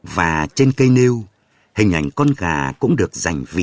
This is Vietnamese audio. và trên cây nêu hình ảnh con gà cũng được dành viên